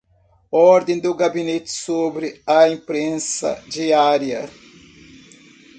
Ordem do Gabinete sobre a Imprensa Diária